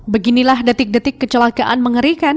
beginilah detik detik kecelakaan mengerikan